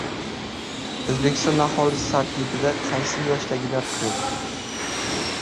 O‘zbekiston aholisi tarkibida qaysi yoshdagilar ko‘p?